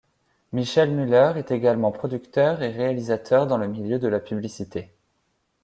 Michel Muller est également producteur et réalisateur dans le milieu de la publicité.